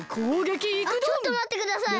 あっちょっとまってください。